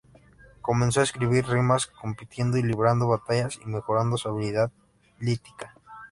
Comenzó a escribir rimas, compitiendo y librando batallas y mejorando su habilidad lítica.